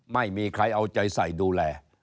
ไม่มีใครเอาใจใส่ดูแล